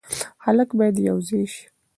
خلک باید یو ځای شي.